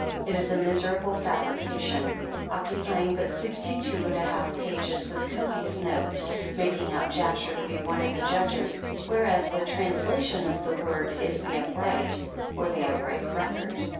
It is a miserable fabrication, occupying but sixty two and a half pages, with copious notes, making out Jasher to be one of the Judges, whereas the translation of the word is the upright, or the upright record.